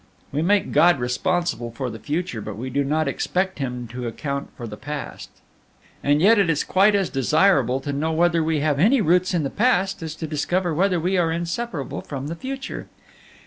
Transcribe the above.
We make God responsible for the future, but we do not expect Him to account for the past. And yet it is quite as desirable to know whether we have any roots in the past as to discover whether we are inseparable from the future.